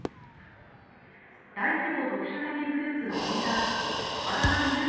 大規模特殊詐欺グループのリーダー格渡邉優樹